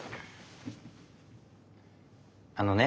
あのね